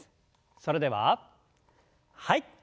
それでははい。